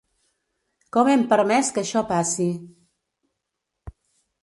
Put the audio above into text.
Com hem permès que això passi?